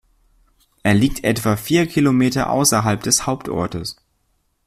Er liegt etwa vier Kilometer außerhalb des Hauptortes.